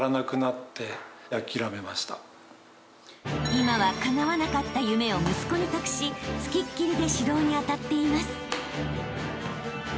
［今はかなわなかった夢を息子に託し付きっきりで指導に当たっています］